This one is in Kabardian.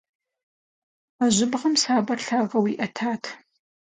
А жьыбгъэм сабэр лъагэу иӏэтат.